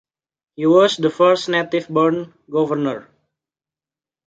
He was the first native-born governor.